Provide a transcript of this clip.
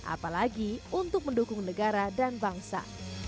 apalagi untuk mendukung negara dan bangsa